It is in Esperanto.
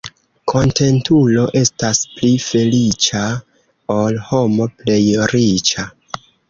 Kontentulo estas pli feliĉa, ol homo plej riĉa.